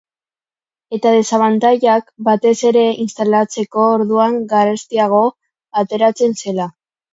Eta desabantailak, batez ere, instalatzeko orduan garestiago ateratzen zela.